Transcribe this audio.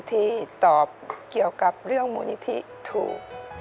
ที่ตอบเกี่ยวกับเรื่องมูลนิธิถูก